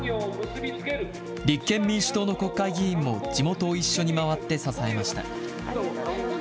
立憲民主党の国会議員も、地元を一緒に回って支えました。